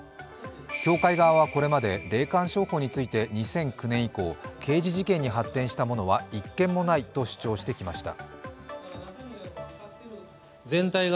教会側はこれまで霊感商法について２００９年以降刑事事件に発展したものは１件もないと主張してきました。